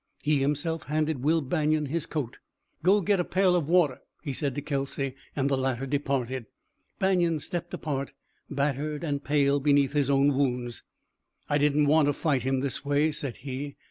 He himself handed Will Banion his coat. "Go get a pail of water," he said to Kelsey, and the latter departed. Banion stepped apart, battered and pale beneath his own wounds. "I didn't want to fight him this way," said he.